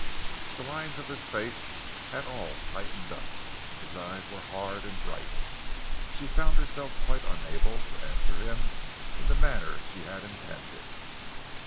The lines of his face had all tightened up, his eyes were hard and bright. She found herself quite unable to answer him in the manner she had intended.